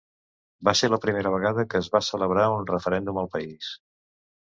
Va ser la primera vegada que es va celebrar un referèndum al país.